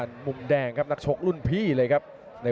สวัสดิ์นุ่มสตึกชัยโลธสวัสดิ์